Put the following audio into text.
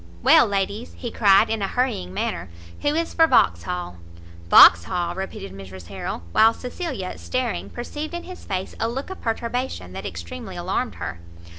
"Well, ladies," he cried in a hurrying manner, "who is for Vauxhall?" "Vauxhall!" repeated Mrs Harrel, while Cecilia, staring, perceived in his face a look of perturbation that extremely alarmed her.